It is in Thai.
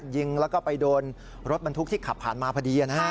ยิงแล้วก็ไปโดนรถบรรทุกที่ขับผ่านมาพอดีนะฮะ